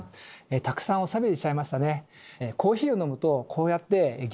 たくさんおしゃべりしちゃいましたね。